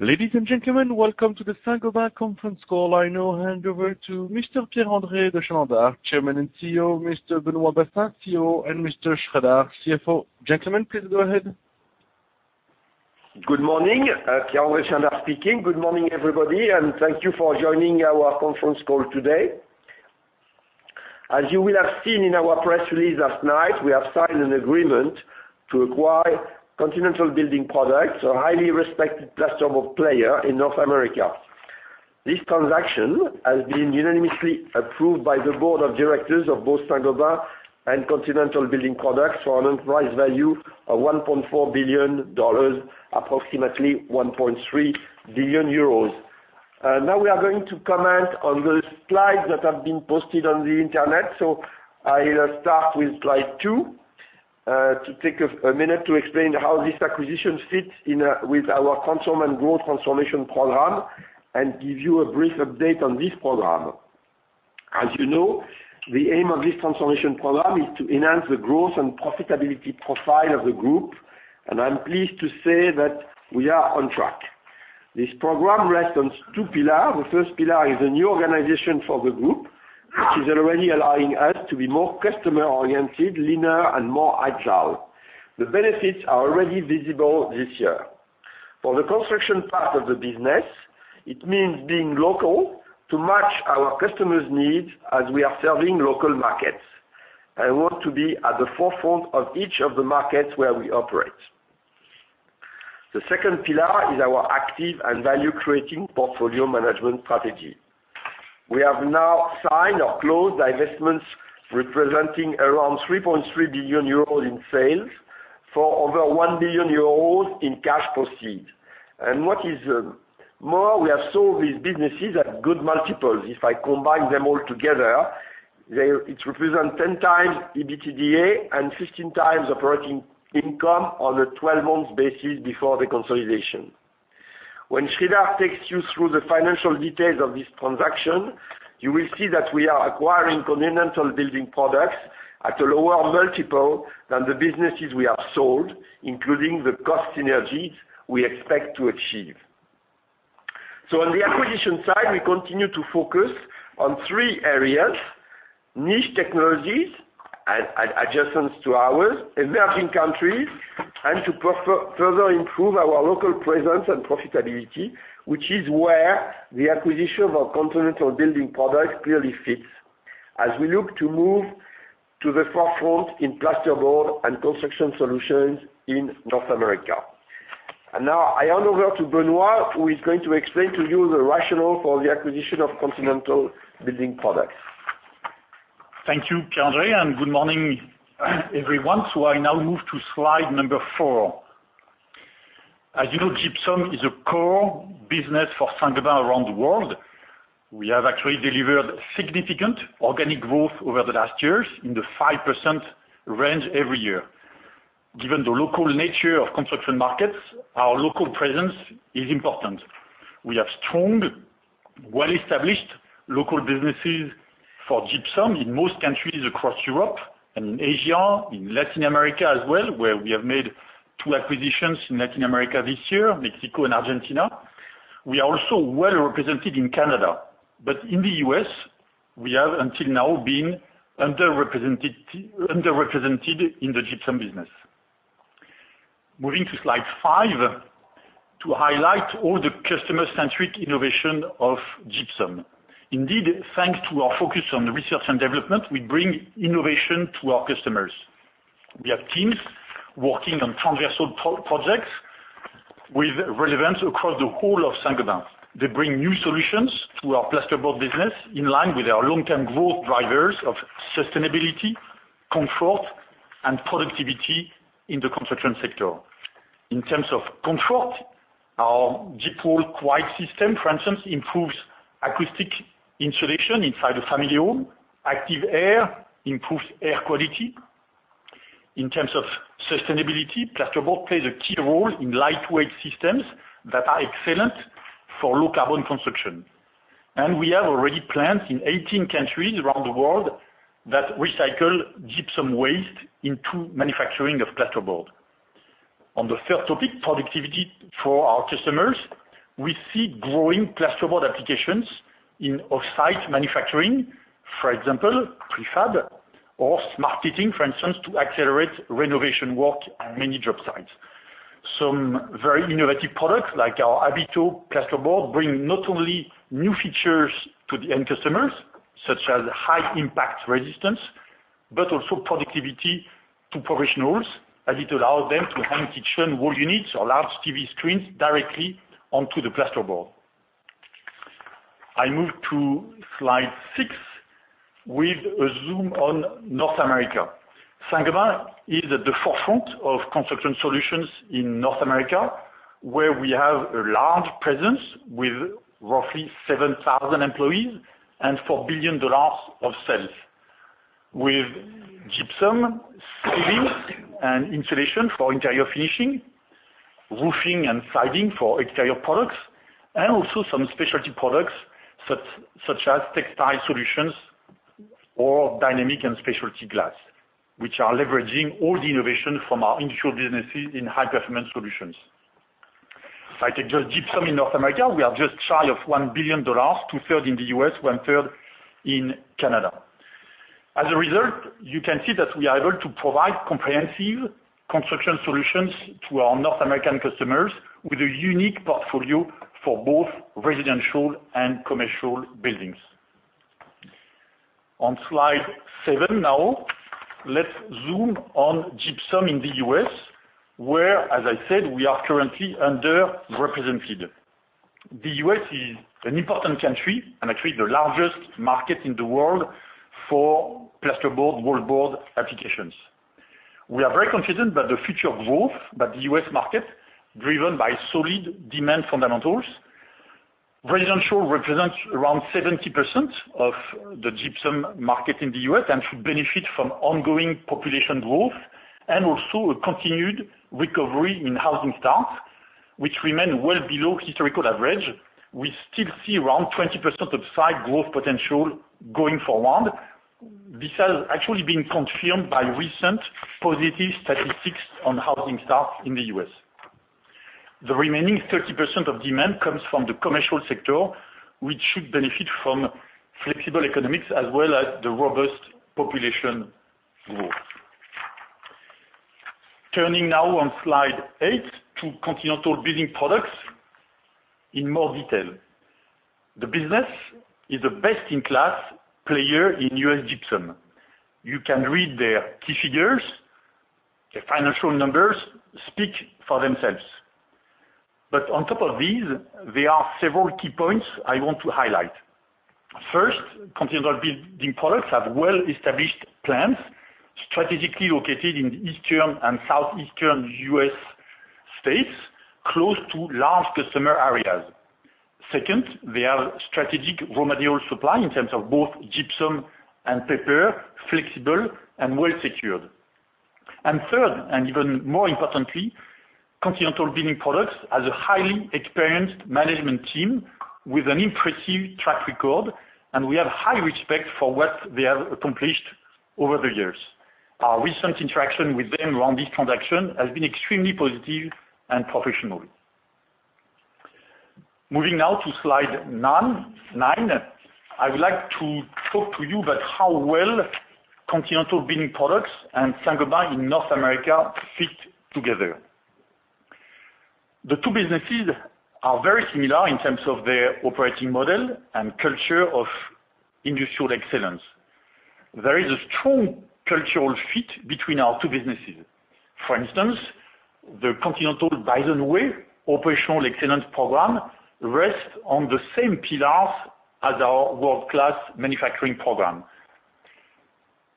Ladies and gentlemen, welcome to the Saint-Gobain Conference Call. I now hand over to Mr. Pierre-André de Chalendar, Chairman and CEO, Mr. Benoît Bazin, CEO, and Mr. Sreedhar, CFO. Gentlemen, please go ahead. Good morning. Pierre-André de Chalendar speaking. Good morning, everybody, and thank you for joining our conference call today. As you will have seen in our press release last night, we have signed an agreement to acquire Continental Building Products, a highly respected platform player in North America. This transaction has been unanimously approved by the board of directors of both Saint-Gobain and Continental Building Products for an enterprise value of $1.4 billion, approximately 1.3 billion euros. Now, we are going to comment on the slides that have been posted on the internet, so I'll start with slide two to take a minute to explain how this acquisition fits with our Consumer and Growth Transformation Program and give you a brief update on this program. As you know, the aim of this transformation program is to enhance the growth and profitability profile of the group, and I'm pleased to say that we are on track. This program rests on two pillars. The first pillar is a new organization for the group, which is already allowing us to be more customer-oriented, leaner, and more agile. The benefits are already visible this year. For the construction part of the business, it means being local to match our customers' needs as we are serving local markets. I want to be at the forefront of each of the markets where we operate. The second pillar is our active and value-creating portfolio management strategy. We have now signed or closed divestments representing around 3.3 billion euros in sales for over 1 billion euros in cash proceeds. What is more, we have sold these businesses at good multiples. If I combine them all together, it represents 10 times EBITDA and 15 times operating income on a 12-month basis before the consolidation. When Sreedhar takes you through the financial details of this transaction, you will see that we are acquiring Continental Building Products at a lower multiple than the businesses we have sold, including the cost synergies we expect to achieve. On the acquisition side, we continue to focus on three areas: niche technologies, adjacent to ours, emerging countries, and to further improve our local presence and profitability, which is where the acquisition of Continental Building Products clearly fits, as we look to move to the forefront in plasterboard and construction solutions in North America. Now, I hand over to Benoit, who is going to explain to you the rationale for the acquisition of Continental Building Products. Thank you, Pierre-André, and good morning, everyone. I now move to slide number four. As you know, gypsum is a core business for Saint-Gobain around the world. We have actually delivered significant organic growth over the last years in the 5% range every year. Given the local nature of construction markets, our local presence is important. We have strong, well-established local businesses for gypsum in most countries across Europe and in Asia, in Latin America as well, where we have made two acquisitions in Latin America this year, Mexico and Argentina. We are also well represented in Canada, but in the U.S., we have until now been underrepresented in the gypsum business. Moving to slide five to highlight all the customer-centric innovation of gypsum. Indeed, thanks to our focus on research and development, we bring innovation to our customers. We have teams working on transversal projects with relevance across the whole of Saint-Gobain. They bring new solutions to our plasterboard business in line with our long-term growth drivers of sustainability, comfort, and productivity in the construction sector. In terms of comfort, our deep-wall quiet system, for instance, improves acoustic insulation inside a family home. Active air improves air quality. In terms of sustainability, plasterboard plays a key role in lightweight systems that are excellent for low-carbon construction. We have already plants in 18 countries around the world that recycle gypsum waste into manufacturing of plasterboard. On the third topic, productivity for our customers, we see growing plasterboard applications in off-site manufacturing, for example, prefab or smart fitting, for instance, to accelerate renovation work at many job sites. Some very innovative products like our Habito plasterboard bring not only new features to the end customers, such as high-impact resistance, but also productivity to professionals as it allows them to hang kitchen wall units or large TV screens directly onto the plasterboard. I move to slide six with a zoom on North America. Saint-Gobain is at the forefront of construction solutions in North America, where we have a large presence with roughly 7,000 employees and $4 billion of sales, with gypsum, ceilings and insulation for interior finishing, roofing and siding for exterior products, and also some specialty products such as textile solutions or dynamic and specialty glass, which are leveraging all the innovation from our industrial businesses in high-performance solutions. I take just gypsum in North America. We are just shy of $1 billion, 2/3 in the U.S., 1/3 in Canada. As a result, you can see that we are able to provide comprehensive construction solutions to our North American customers with a unique portfolio for both residential and commercial buildings. On slide seven now, let's zoom on gypsum in the U.S., where, as I said, we are currently underrepresented. The U.S. is an important country and actually the largest market in the world for plasterboard, wallboard applications. We are very confident that the future growth of the U.S. market, driven by solid demand fundamentals, residential represents around 70% of the gypsum market in the U.S. and should benefit from ongoing population growth and also a continued recovery in housing stocks, which remain well below historical average. We still see around 20% of site growth potential going forward, this has actually been confirmed by recent positive statistics on housing stocks in the U.S. The remaining 30% of demand comes from the commercial sector, which should benefit from flexible economics as well as the robust population growth. Turning now on slide eight to Continental Building Products in more detail. The business is the best-in-class player in U.S. gypsum. You can read their key figures. The financial numbers speak for themselves. On top of these, there are several key points I want to highlight. First, Continental Building Products have well-established plants strategically located in the eastern and southeastern U.S. states, close to large customer areas. Second, they have strategic raw material supply in terms of both gypsum and paper, flexible and well-secured. Third, and even more importantly, Continental Building Products has a highly experienced management team with an impressive track record, and we have high respect for what they have accomplished over the years. Our recent interaction with them around this transaction has been extremely positive and professional. Moving now to slide nine, I would like to talk to you about how well Continental Building Products and Saint-Gobain in North America fit together. The two businesses are very similar in terms of their operating model and culture of industrial excellence. There is a strong cultural fit between our two businesses. For instance, the Continental Bison Way Operational Excellence Program rests on the same pillars as our world-class manufacturing program.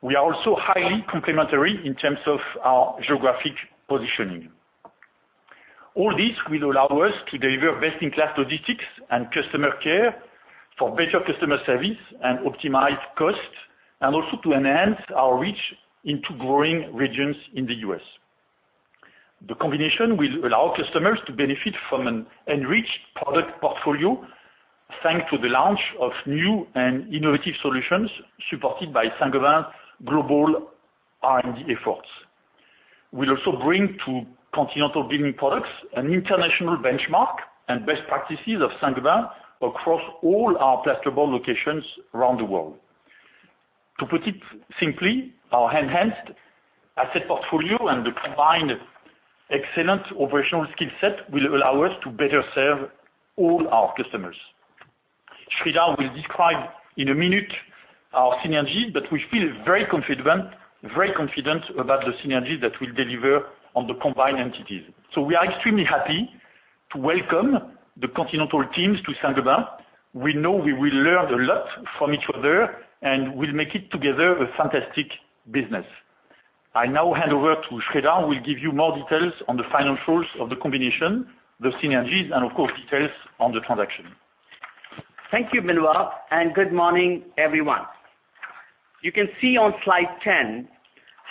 We are also highly complementary in terms of our geographic positioning. All this will allow us to deliver best-in-class logistics and customer care for better customer service and optimized costs, and also to enhance our reach into growing regions in the U.S. The combination will allow customers to benefit from an enriched product portfolio thanks to the launch of new and innovative solutions supported by Saint-Gobain's global R&D efforts. We'll also bring to Continental Building Products an international benchmark and best practices of Saint-Gobain across all our plasterboard locations around the world. To put it simply, our enhanced asset portfolio and the combined excellent operational skill set will allow us to better serve all our customers. Sreedhar will describe in a minute our synergy, but we feel very confident about the synergies that we deliver on the combined entities. We are extremely happy to welcome the Continental teams to Saint-Gobain. We know we will learn a lot from each other and will make it together a fantastic business. I now hand over to Sreedhar who will give you more details on the financials of the combination, the synergies, and of course, details on the transaction. Thank you, Benoît, and good morning, everyone. You can see on slide 10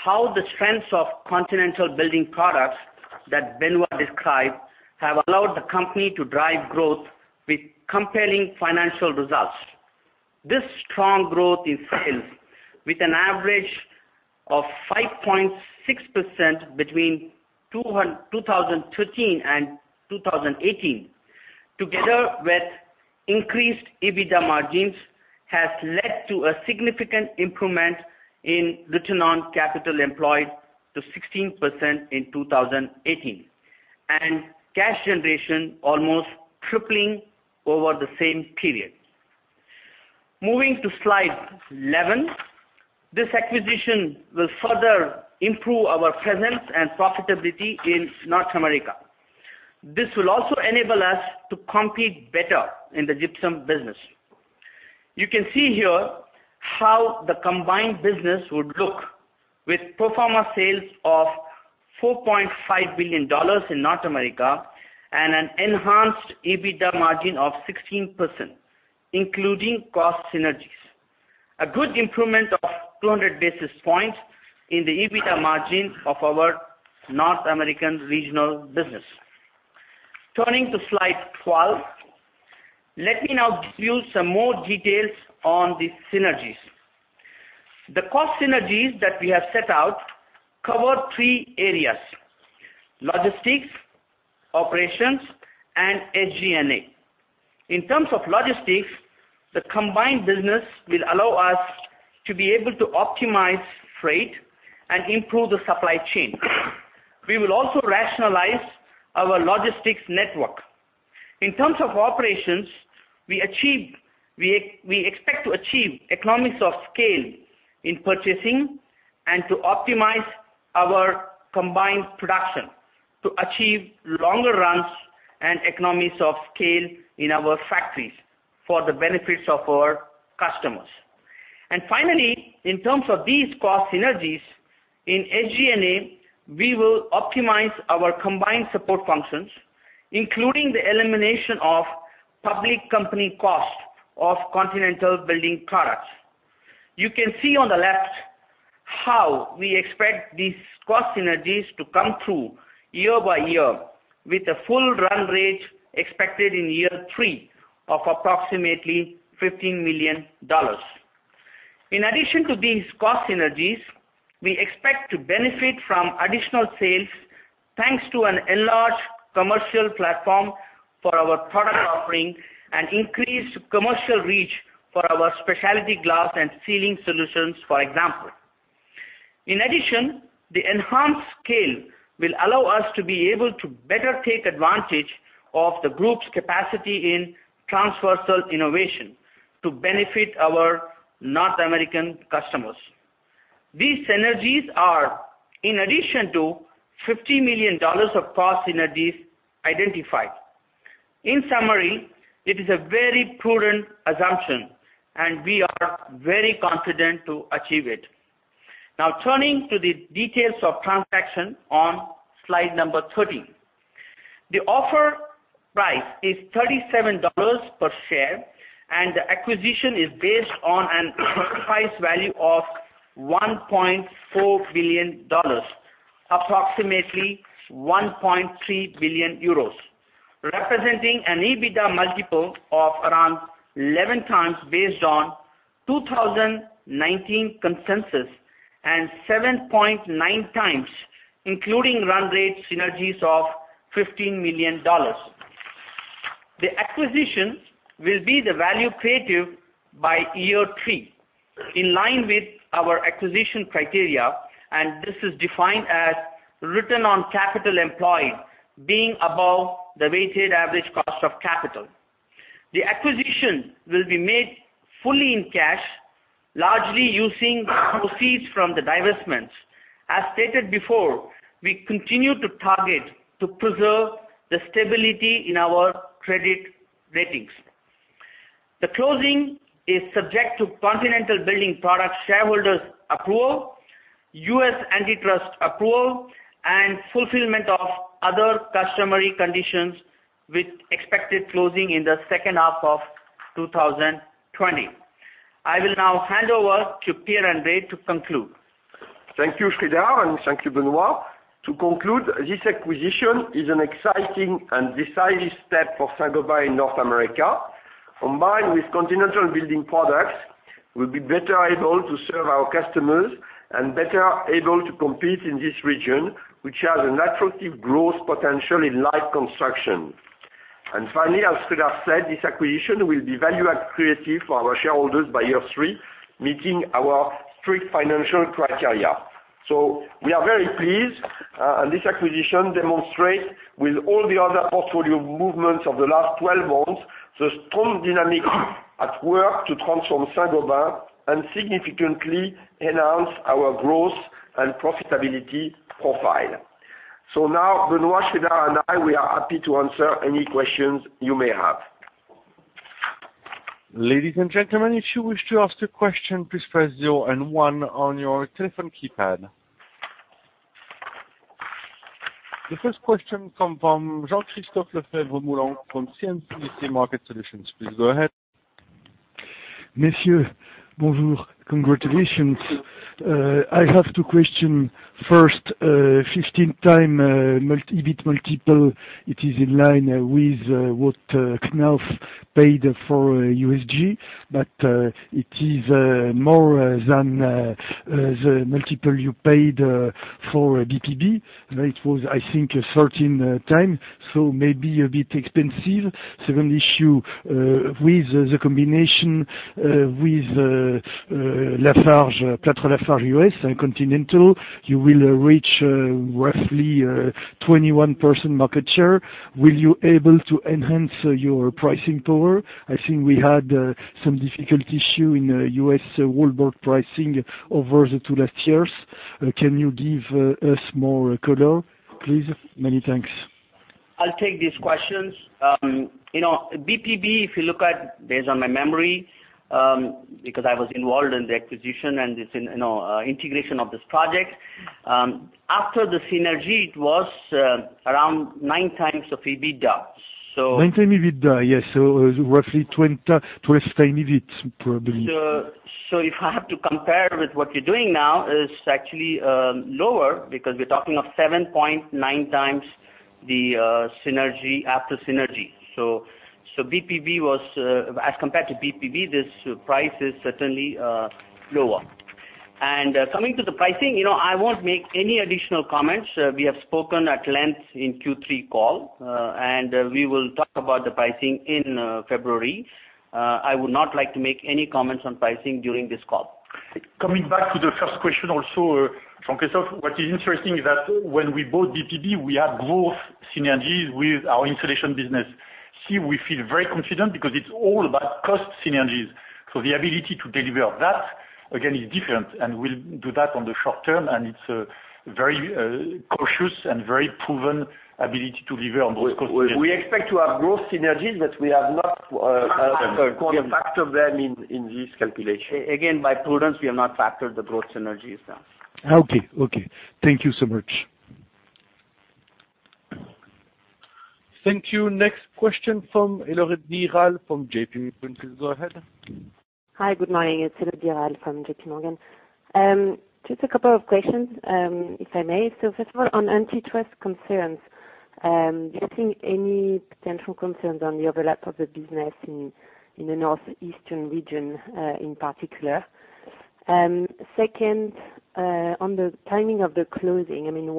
how the strengths of Continental Building Products that Benoit described have allowed the company to drive growth with compelling financial results. This strong growth in sales with an average of 5.6% between 2013 and 2018, together with increased EBITDA margins, has led to a significant improvement in return on capital employed to 16% in 2018 and cash generation almost tripling over the same period. Moving to slide 11, this acquisition will further improve our presence and profitability in North America. This will also enable us to compete better in the gypsum business. You can see here how the combined business would look with pro forma sales of $4.5 billion in North America and an enhanced EBITDA margin of 16%, including cost synergies. A good improvement of 200 basis points in the EBITDA margin of our North American regional business. Turning to slide 12, let me now give you some more details on the synergies. The cost synergies that we have set out cover three areas: logistics, operations, and SG&A. In terms of logistics, the combined business will allow us to be able to optimize freight and improve the supply chain. We will also rationalize our logistics network. In terms of operations, we expect to achieve economies of scale in purchasing and to optimize our combined production to achieve longer runs and economies of scale in our factories for the benefits of our customers. Finally, in terms of these cost synergies, in SG&A, we will optimize our combined support functions, including the elimination of public company cost of Continental Building Products. You can see on the left how we expect these cost synergies to come through year by year with a full run rate expected in year three of approximately $15 million. In addition to these cost synergies, we expect to benefit from additional sales thanks to an enlarged commercial platform for our product offering and increased commercial reach for our specialty glass and ceiling solutions, for example. In addition, the enhanced scale will allow us to be able to better take advantage of the group's capacity in transversal innovation to benefit our North American customers. These synergies are, in addition to $50 million of cost synergies identified. In summary, it is a very prudent assumption, and we are very confident to achieve it. Now, turning to the details of transaction on slide number 13, the offer price is $37 per share, and the acquisition is based on an enterprise value of $1.4 billion, approximately 1.3 billion euros, representing an EBITDA multiple of around 11 times based on 2019 consensus and 7.9 times, including run rate synergies of $15 million. The acquisition will be value creative by year three in line with our acquisition criteria, and this is defined as return on capital employed being above the weighted average cost of capital. The acquisition will be made fully in cash, largely using proceeds from the divestments. As stated before, we continue to target to preserve the stability in our credit ratings. The closing is subject to Continental Building Products' shareholders' approval, U.S. antitrust approval, and fulfillment of other customary conditions, with expected closing in the second half of 2020. I will now hand over to Pierre-André to conclude. Thank you, Sreedhar, and thank you, Benoît. To conclude, this acquisition is an exciting and decisive step for Saint-Gobain in North America. Combined with Continental Building Products, we'll be better able to serve our customers and better able to compete in this region, which has an attractive growth potential in light construction. Finally, as Sreedhar said, this acquisition will be value creative for our shareholders by year three, meeting our strict financial criteria. We are very pleased, and this acquisition demonstrates, with all the other portfolio movements of the last 12 months, the strong dynamic at work to transform Saint-Gobain and significantly enhance our growth and profitability profile. Now, Benoît, Sreedhar, and I, we are happy to answer any questions you may have. Ladies and gentlemen, if you wish to ask a question, please press zero and one on your telephone keypad. The first question comes from Jean-Christophe Lefèvre-Moulenq from CIC Market Solutions. Please go ahead. Messieurs, bonjour. Congratulations. I have two questions. First, 15-time EBIT multiple is in line with what Knauf paid for USG, but it is more than the multiple you paid for BPB. It was, I think, 13 times, so maybe a bit expensive. Second issue with the combination with Lafarge, Plateau Lafarge U.S. and Continental, you will reach roughly 21% market share. Will you be able to enhance your pricing power? I think we had some difficult issues in U.S. wallboard pricing over the two last years. Can you give us more color, please? Many thanks. I'll take these questions. BPB, if you look at, based on my memory, because I was involved in the acquisition and integration of this project, after the synergy, it was around nine times of EBITDA. Nine times EBITDA, yes. Roughly 12 times EBIT, probably. If I have to compare with what you're doing now, it's actually lower because we're talking of 7.9 times the synergy after synergy. As compared to BPB, this price is certainly lower. Coming to the pricing, I won't make any additional comments. We have spoken at length in the Q3 call, and we will talk about the pricing in February. I would not like to make any comments on pricing during this call. Coming back to the first question also, Jean-Christophe, what is interesting is that when we bought BPB, we had growth synergies with our insulation business. Here, we feel very confident because it's all about cost synergies. The ability to deliver that, again, is different, and we'll do that on the short term, and it's a very cautious and very proven ability to deliver on those cost synergies. We expect to have growth synergies, but we have not. Prudence. Factored them in this calculation. Again, by prudence, we have not factored the growth synergies. Okay. Okay. Thank you so much. Thank you. Next question from Elodie Rall from JPMorgan. Please go ahead. Hi, good morning. It's Elodie Ralph from JPMorgan. Just a couple of questions, if I may. First of all, on antitrust concerns, do you think any potential concerns on the overlap of the business in the northeastern region in particular? Second, on the timing of the closing, I mean,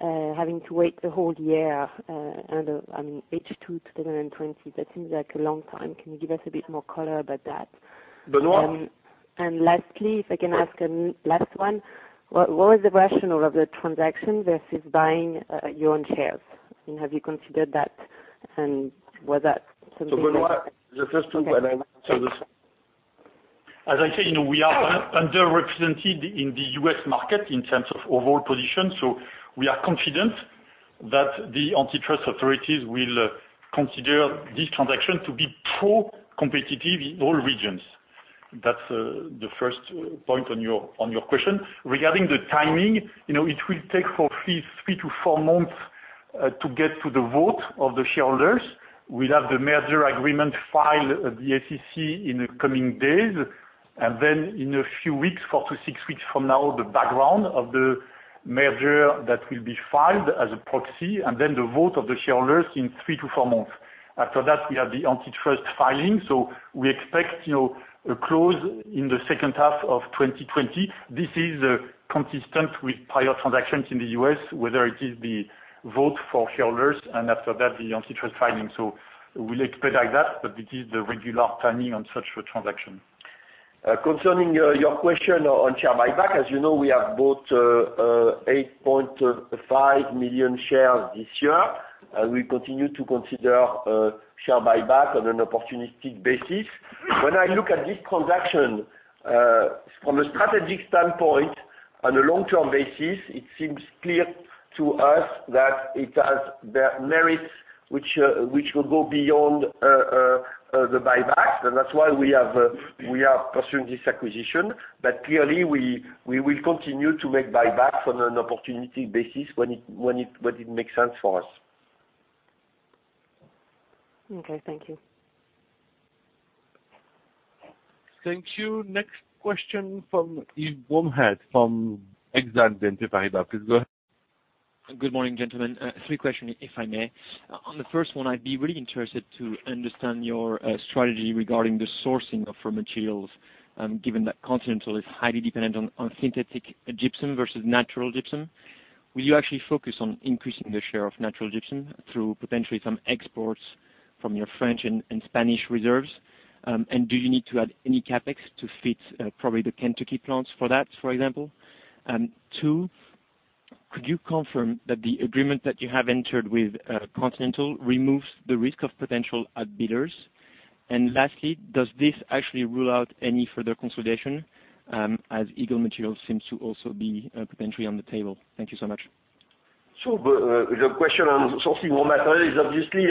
why having to wait the whole year out of H2 to 2020? That seems like a long time. Can you give us a bit more color about that? Benoit. Lastly, if I can ask a last one, what was the rationale of the transaction versus buying your own shares? I mean, have you considered that, and was that something? Benoit, the first one, as I said, we are underrepresented in the U.S. market in terms of overall position. We are confident that the antitrust authorities will consider this transaction to be pro-competitive in all regions. That's the first point on your question. Regarding the timing, it will take at least three to four months to get to the vote of the shareholders. We'll have the merger agreement filed at the SEC in the coming days, and then in a few weeks, four to six weeks from now, the background of the merger that will be filed as a proxy, and then the vote of the shareholders in three to four months. After that, we have the antitrust filing. We expect a close in the second half of 2020. This is consistent with prior transactions in the U.S., whether it is the vote for shareholders and after that, the antitrust filing. We'll expedite that, but it is the regular timing on such a transaction. Concerning your question on share buyback, as you know, we have bought 8.5 million shares this year, and we continue to consider share buyback on an opportunistic basis. When I look at this transaction, from a strategic standpoint, on a long-term basis, it seems clear to us that it has merits which will go beyond the buyback. That is why we are pursuing this acquisition. Clearly, we will continue to make buybacks on an opportunistic basis when it makes sense for us. Okay. Thank you. Thank you. Next question from Yvonne Hed from Exane BNP Paribas. Please go ahead. Good morning, gentlemen. Three questions, if I may. On the first one, I'd be really interested to understand your strategy regarding the sourcing of raw materials, given that Continental is highly dependent on synthetic gypsum versus natural gypsum. Will you actually focus on increasing the share of natural gypsum through potentially some exports from your French and Spanish reserves? Do you need to add any CapEx to fit probably the Kentucky plants for that, for example? Two, could you confirm that the agreement that you have entered with Continental removes the risk of potential outbidders? Lastly, does this actually rule out any further consolidation, as Eagle Materials seems to also be potentially on the table? Thank you so much. Sure. The question on sourcing raw material is obviously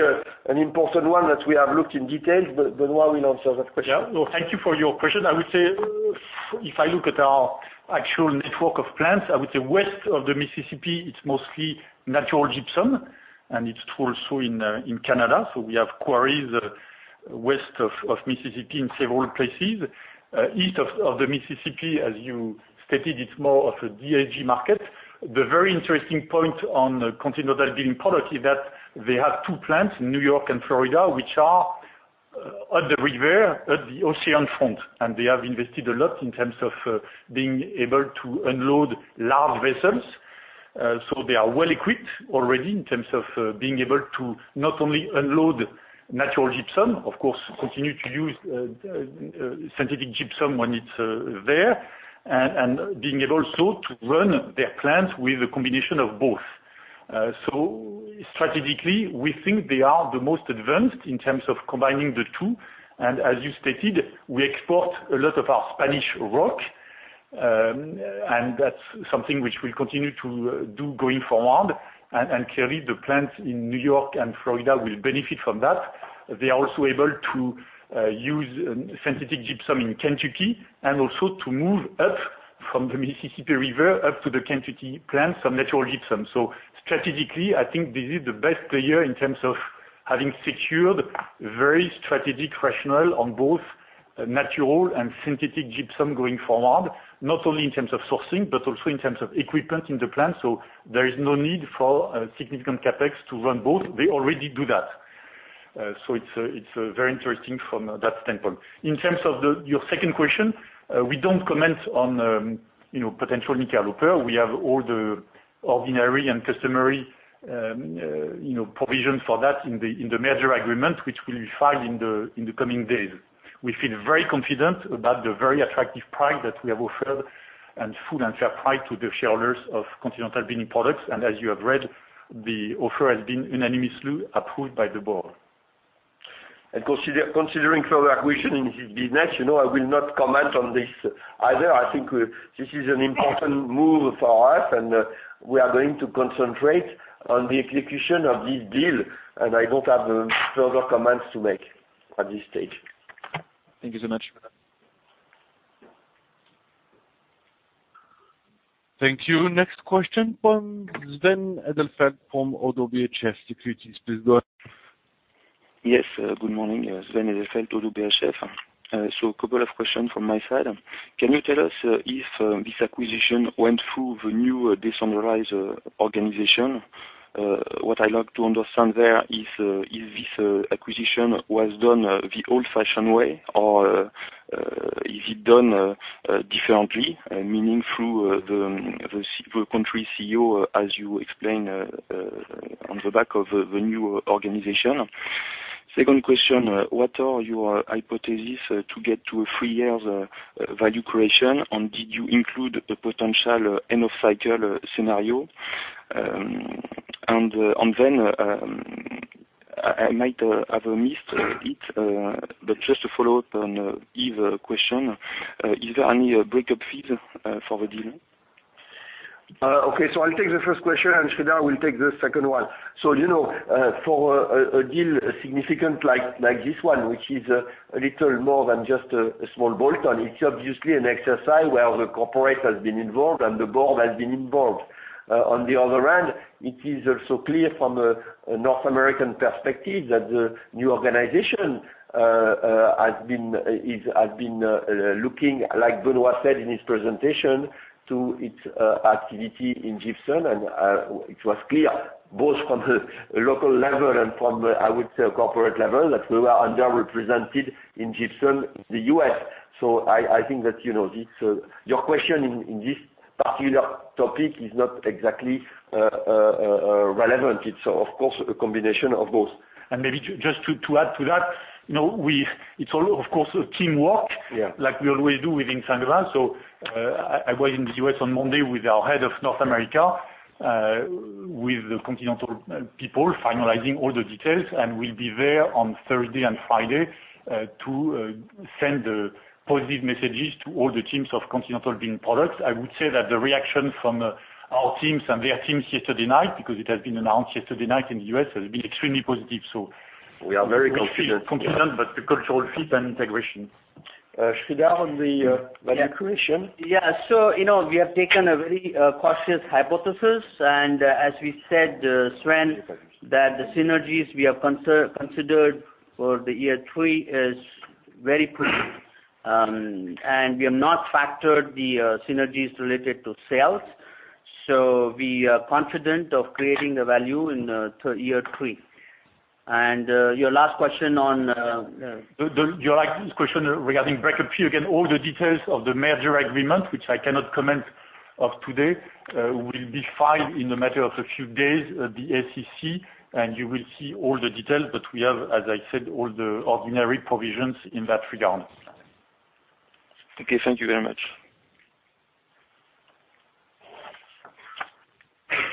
an important one that we have looked in detail. Benoit will answer that question. Yeah. Thank you for your question. I would say, if I look at our actual network of plants, I would say west of the Mississippi, it's mostly natural gypsum, and it's also in Canada. We have quarries west of Mississippi in several places. East of the Mississippi, as you stated, it's more of a DLG market. The very interesting point on Continental Building Products is that they have two plants, New York and Florida, which are at the river, at the oceanfront, and they have invested a lot in terms of being able to unload large vessels. They are well equipped already in terms of being able to not only unload natural gypsum, of course, continue to use synthetic gypsum when it's there, and being able also to run their plants with a combination of both. Strategically, we think they are the most advanced in terms of combining the two. As you stated, we export a lot of our Spanish rock, and that's something which we'll continue to do going forward. Clearly, the plants in New York and Florida will benefit from that. They are also able to use synthetic gypsum in Kentucky and also to move up from the Mississippi River up to the Kentucky plants some natural gypsum. Strategically, I think this is the best player in terms of having secured very strategic rationale on both natural and synthetic gypsum going forward, not only in terms of sourcing, but also in terms of equipment in the plant. There is no need for significant CapEx to run both. They already do that. It's very interesting from that standpoint. In terms of your second question, we don't comment on potential Nika Looper. We have all the ordinary and customary provisions for that in the merger agreement, which will be filed in the coming days. We feel very confident about the very attractive price that we have offered and full and fair price to the shareholders of Continental Building Products. As you have read, the offer has been unanimously approved by the board. Considering further acquisition in this business, I will not comment on this either. I think this is an important move for us, and we are going to concentrate on the execution of this deal, and I don't have further comments to make at this stage. Thank you so much. Thank you. Next question from Sven Edelfelt from Oddo BHF Securities. Please go ahead. Yes. Good morning. Sven Edelfelt of Oddo BHF. A couple of questions from my side. Can you tell us if this acquisition went through the new decentralized organization? What I'd like to understand there is if this acquisition was done the old-fashioned way or is it done differently, meaning through the country CEO, as you explained, on the back of the new organization? Second question, what are your hypotheses to get to a three-year value creation, and did you include a potential end-of-cycle scenario? I might have missed it, but just to follow up on Yves' question, is there any breakup fees for the deal? Okay. I'll take the first question, and Sreedhar will take the second one. For a deal significant like this one, which is a little more than just a small bolt-on, it's obviously an exercise where the corporate has been involved and the board has been involved. On the other hand, it is also clear from a North American perspective that the new organization has been looking, like Benoit said in his presentation, to its activity in gypsum. It was clear, both from a local level and from, I would say, a corporate level, that we were underrepresented in gypsum in the U.S. I think that your question in this particular topic is not exactly relevant. It's, of course, a combination of both. Maybe just to add to that, it's all, of course, teamwork like we always do within Saint-Gobain. I was in the U.S. on Monday with our Head of North America, with the Continental people finalizing all the details, and we'll be there on Thursday and Friday to send positive messages to all the teams of Continental Building Products. I would say that the reaction from our teams and their teams yesterday night, because it has been announced yesterday night in the U.S., has been extremely positive. We are very confident. We're confident, but the cultural fit and integration. Sreedhar on the value creation? Yeah. We have taken a very cautious hypothesis, and as we said, Sven, that the synergies we have considered for year three is very poor, and we have not factored the synergies related to sales. We are confident of creating the value in year three. Your last question on. Do you like this question regarding breakup fee? Again, all the details of the merger agreement, which I cannot comment on today, will be filed in a matter of a few days at the SEC, and you will see all the details. We have, as I said, all the ordinary provisions in that regard. Okay. Thank you very much.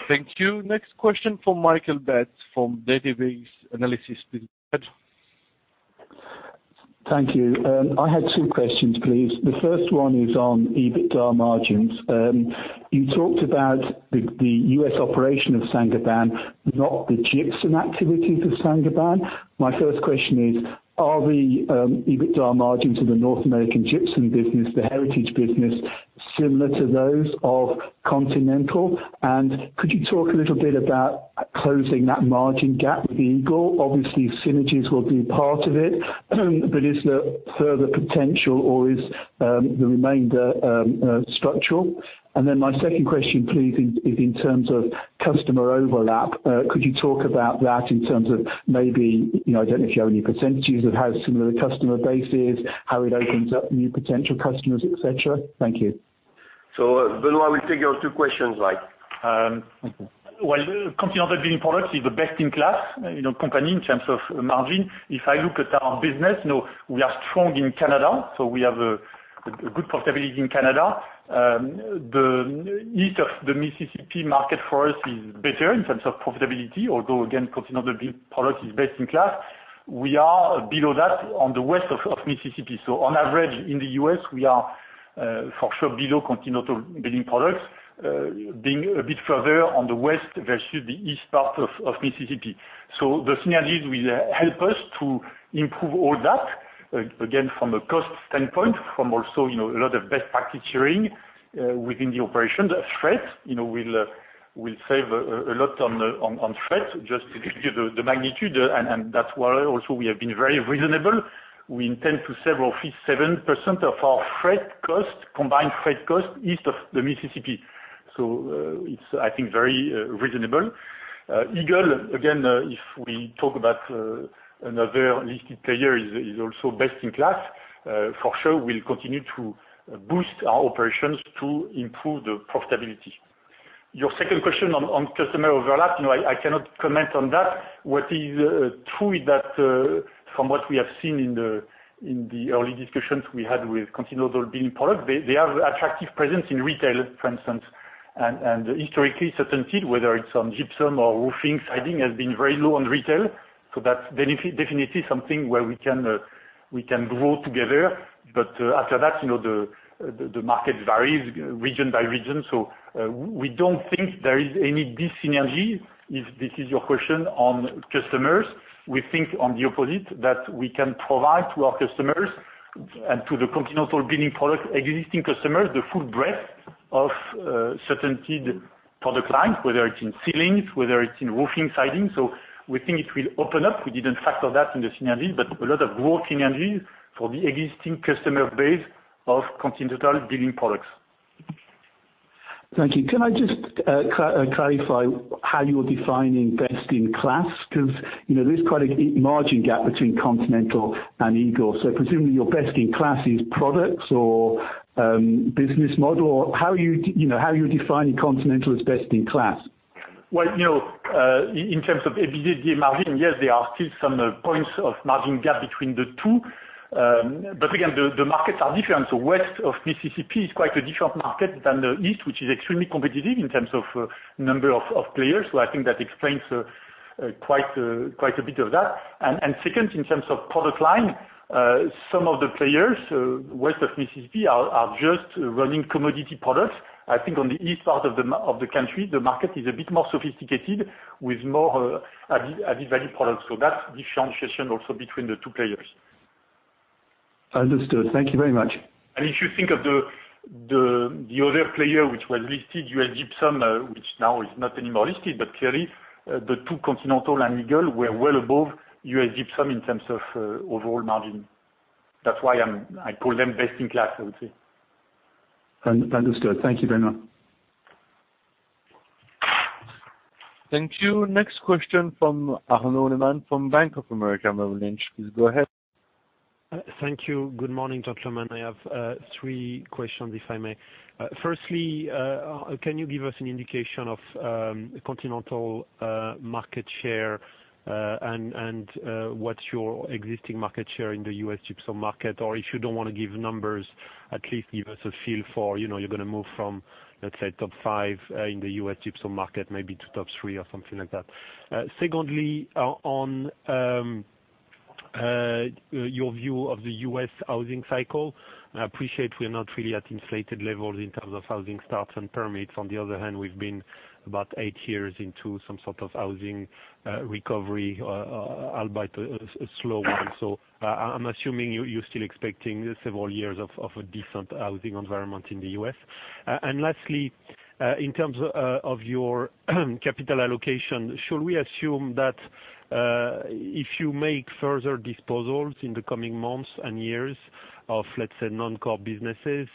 Thank you. Next question from Michael Betz from Database Analysis. Thank you. I had two questions, please. The first one is on EBITDA margins. You talked about the U.S. operation of Saint-Gobain, not the gypsum activities of Saint-Gobain. My first question is, are the EBITDA margins of the North American gypsum business, the heritage business, similar to those of Continental? Could you talk a little bit about closing that margin gap with Eagle? Obviously, synergies will be part of it, but is there further potential, or is the remainder structural? My second question, please, is in terms of customer overlap. Could you talk about that in terms of maybe I do not know if you have any percentages of how similar the customer base is, how it opens up new potential customers, etc.? Thank you. Benoit, we'll take your two questions like. Continental Building Products is the best-in-class company in terms of margin. If I look at our business, we are strong in Canada, so we have a good profitability in Canada. The east of the Mississippi market for us is better in terms of profitability, although, again, Continental Building Products is best in class. We are below that on the west of Mississippi. On average, in the U.S., we are for sure below Continental Building Products, being a bit further on the west versus the east part of Mississippi. The synergies will help us to improve all that, again, from a cost standpoint, from also a lot of best practice sharing within the operations. Freight will save a lot on freight, just to give you the magnitude. That is why also we have been very reasonable. We intend to save roughly 7% of our combined threat cost east of the Mississippi. I think it's very reasonable. Eagle, again, if we talk about another listed player, is also best in class. For sure, we'll continue to boost our operations to improve the profitability. Your second question on customer overlap, I cannot comment on that. What is true is that from what we have seen in the early discussions we had with Continental Building Products, they have an attractive presence in retail, for instance. Historically, certain fields, whether it's on gypsum or roofing, siding, has been very low on retail. That's definitely something where we can grow together. After that, the market varies region by region. We don't think there is any disynergy, if this is your question, on customers. We think, on the opposite, that we can provide to our customers and to the Continental Building Products' existing customers the full breadth of certainty for the clients, whether it's in ceilings, whether it's in roofing, siding. We think it will open up. We didn't factor that in the synergies, but a lot of growth synergies for the existing customer base of Continental Building Products. Thank you. Can I just clarify how you're defining best in class? Because there is quite a margin gap between Continental and Eagle. Presumably, your best in class is products or business model. How are you defining Continental as best in class? In terms of EBITDA margin, yes, there are still some points of margin gap between the two. Again, the markets are different. West of Mississippi is quite a different market than the east, which is extremely competitive in terms of number of players. I think that explains quite a bit of that. Second, in terms of product line, some of the players west of Mississippi are just running commodity products. I think on the east part of the country, the market is a bit more sophisticated with more added value products. That is differentiation also between the two players. Understood. Thank you very much. If you think of the other player, which was listed, USG, which now is not anymore listed, but clearly, the two Continental and Eagle were well above USG in terms of overall margin. That's why I call them best in class, I would say. Understood. Thank you very much. Thank you. Next question from Arnold Leung from Bank of America. Please go ahead. Thank you. Good morning, Leung. I have three questions, if I may. Firstly, can you give us an indication of Continental market share and what's your existing market share in the US Gypsum market? Or if you don't want to give numbers, at least give us a feel for you're going to move from, let's say, top five in the U.S. Gypsum market, maybe to top three or something like that. Secondly, on your view of the U.S. housing cycle, I appreciate we're not really at inflated levels in terms of housing starts and permits. On the other hand, we've been about eight years into some sort of housing recovery, albeit a slow one. I am assuming you're still expecting several years of a decent housing environment in the US. Lastly, in terms of your capital allocation, should we assume that if you make further disposals in the coming months and years of, let's say, non-core businesses,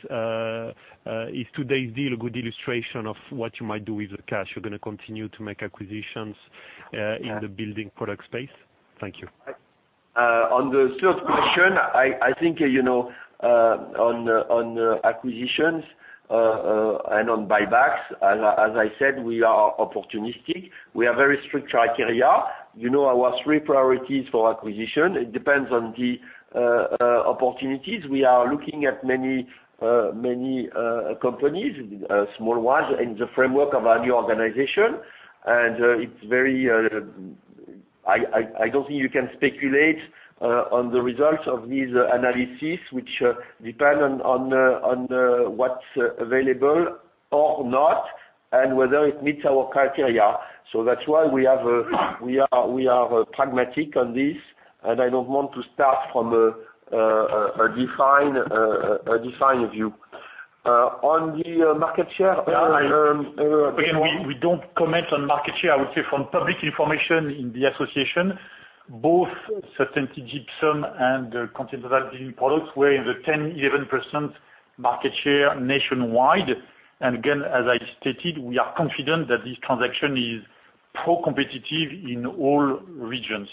is today's deal a good illustration of what you might do with the cash? You're going to continue to make acquisitions in the building product space? Thank you. On the third question, I think on acquisitions and on buybacks, as I said, we are opportunistic. We have very strict criteria. Our three priorities for acquisition, it depends on the opportunities. We are looking at many companies, small ones, in the framework of a new organization. I don't think you can speculate on the results of these analyses, which depend on what's available or not and whether it meets our criteria. That's why we are pragmatic on this, and I don't want to start from a defined view. On the market share. Again, we don't comment on market share. I would say from public information in the association, both CertainTeed Gypsum and Continental Building Products were in the 10 to 11% market share nationwide. Again, as I stated, we are confident that this transaction is pro-competitive in all regions.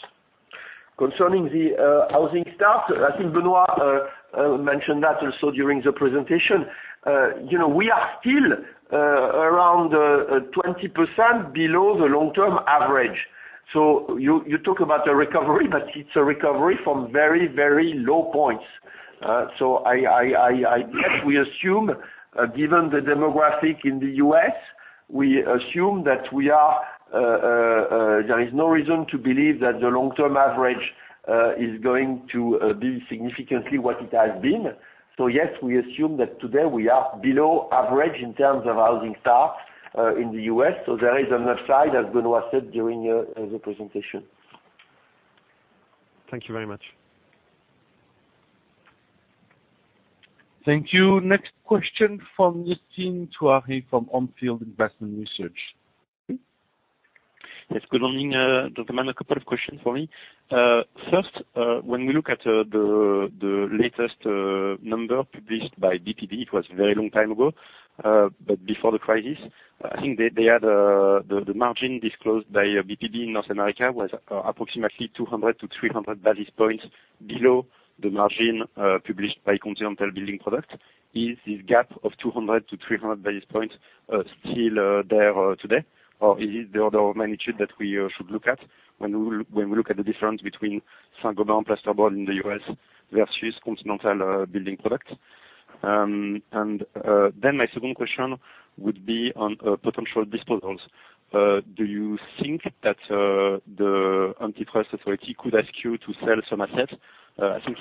Concerning the housing start, I think Benoit mentioned that also during the presentation. We are still around 20% below the long-term average. You talk about a recovery, but it's a recovery from very, very low points. Yes, we assume, given the demographic in the U.S., we assume that there is no reason to believe that the long-term average is going to be significantly what it has been. Yes, we assume that today we are below average in terms of housing starts in the U.S. There is an upside, as Benoit said during the presentation. Thank you very much. Thank you. Next question from Justin Touareg from Onfield Investment Research. Yes. Good morning, Dr. Hleman. A couple of questions for me. First, when we look at the latest number published by BPB, it was a very long time ago, but before the crisis, I think they had the margin disclosed by BPB in North America was approximately 200 to 300 basis points below the margin published by Continental Building Products. Is this gap of 200 to 300 basis points still there today? Is it the order of magnitude that we should look at when we look at the difference between Saint-Gobain and Plasterboard in the US versus Continental Building Products? My second question would be on potential disposals. Do you think that the Antitrust Authority could ask you to sell some assets? I think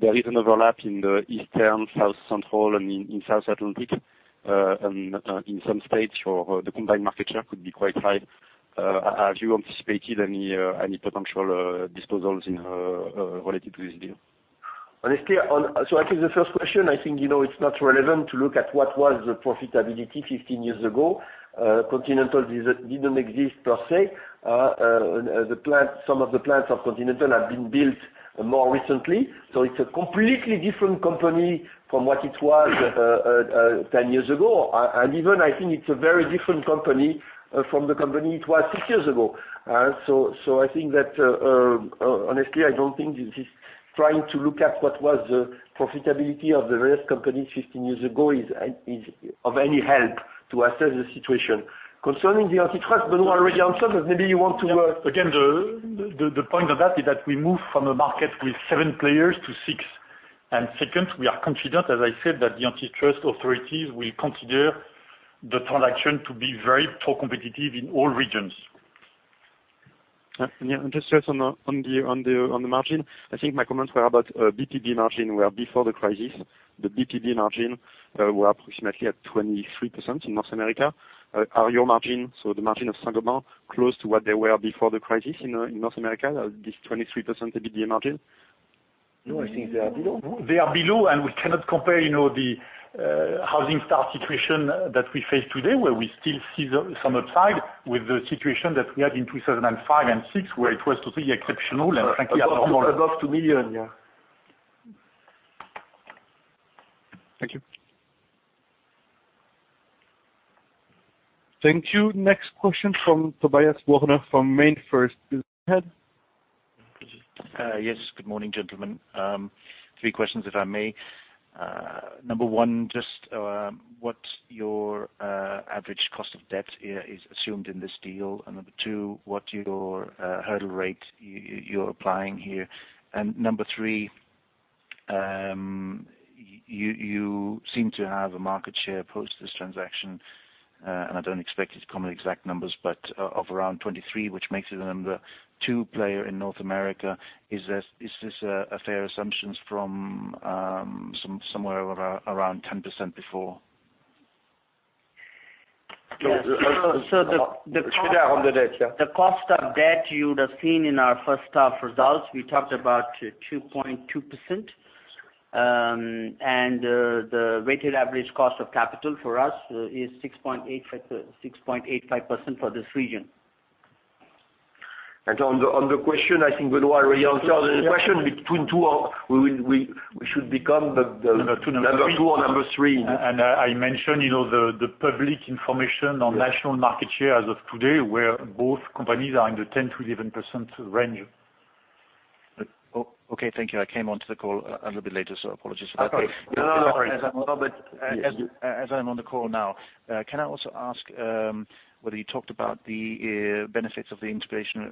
there is an overlap in the eastern, south-central, and in South Atlantic, and in some states, the combined market share could be quite high. Have you anticipated any potential disposals related to this deal? Honestly, to answer the first question, I think it's not relevant to look at what was the profitability 15 years ago. Continental didn't exist per se. Some of the plants of Continental have been built more recently. It's a completely different company from what it was 10 years ago. I think it's a very different company from the company it was 6 years ago. I think that, honestly, I don't think trying to look at what was the profitability of the various companies 15 years ago is of any help to assess the situation. Concerning the Antitrust, Benoît already answered, but maybe you want to. Again, the point of that is that we move from a market with seven players to six. Second, we are confident, as I said, that the Antitrust Authorities will consider the transaction to be very pro-competitive in all regions. Yeah. Just to add on the margin, I think my comments were about BPB margin, where before the crisis, the BPB margin were approximately at 23% in North America. Are your margins, so the margin of Saint-Gobain, close to what they were before the crisis in North America, this 23% BPB margin? No, I think they are below. They are below, and we cannot compare the housing start situation that we face today, where we still see some upside, with the situation that we had in 2005 and 2006, where it was totally exceptional and frankly abnormal. Above 2 million, yeah. Thank you. Thank you. Next question from Tobias Woerner from MainFirst. Go ahead. Yes. Good morning, gentlemen. Three questions, if I may. Number one, just what your average cost of debt is assumed in this deal. Number two, what your hurdle rate you're applying here. Number three, you seem to have a market share post this transaction, and I don't expect you to come with exact numbers, but of around 23%, which makes you the number two player in North America. Is this a fair assumption from somewhere around 10% before? The cost of debt you would have seen in our first-half results, we talked about 2.2%. The weighted average cost of capital for us is 6.85% for this region. On the question, I think Benoit already answered the question, between two, we should become number two or number three. I mentioned the public information on national market share as of today, where both companies are in the 10-11% range. Okay. Thank you. I came onto the call a little bit later, so apologies for that. Okay. No worries. As I'm on the call now, can I also ask whether you talked about the benefits of the integration